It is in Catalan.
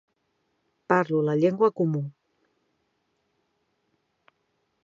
Parlo la llengua comú.